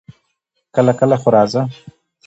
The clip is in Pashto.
کله کله خو راځه!